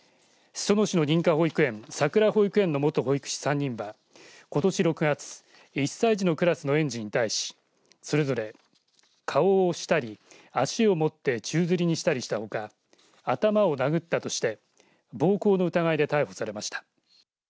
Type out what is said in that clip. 裾野市の認可保育園さくら保育園の元保育士３人はことし６月１歳児のクラスの園児に対しそれぞれ、顔を押したり足を持って宙づりにしたりしたほか頭を殴ったとして、暴行の疑いで逮捕されました。